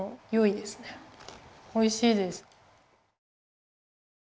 おいしいです。